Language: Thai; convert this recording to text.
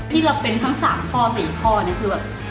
ที่เรียบเป็นทั้ง๓หรือ๔ข้อ